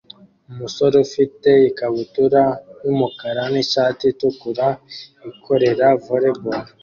Umusore ufite ikabutura yumukara nishati itukura ikorera volley ball